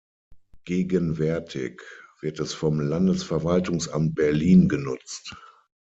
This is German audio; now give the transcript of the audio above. Gegenwärtig wird es vom Landesverwaltungsamt Berlin genutzt.